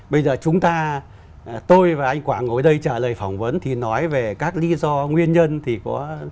bây giờ chúng ta tôi và anh quảng ngồi đây trả lời phỏng vấn thì nói về các lý do nguyên nhân thì có